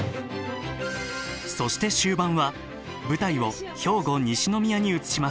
そして終盤は舞台を兵庫西宮に移します。